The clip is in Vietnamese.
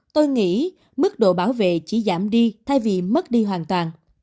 tôi nghĩ mức độ bảo vệ chỉ giảm đi thay vì mất đi hoàn toàn